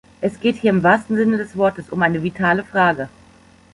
Es geht hier im wahrsten Sinne des Wortes um eine "vitale Frage".